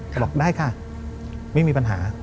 บอกได้ค่ะไม่มีปัญหา